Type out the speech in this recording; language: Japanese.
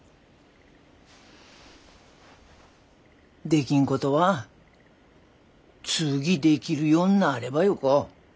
できんことは次できるようになればよか。